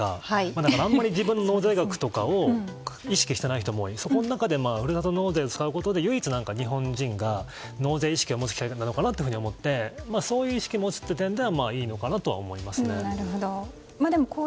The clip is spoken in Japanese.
だからあまり自分の納税額を意識してない人もその中でふるさと納税を使うことで唯一日本人が納税意識を持つ機会なのかなと思ってそういう意識を持つ点ではいいのかなと思いますね。